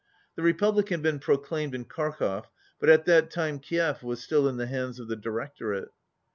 The Republic had been proclaimed in Kharkov, but at that time Kiev was still in the hands of the Directorate.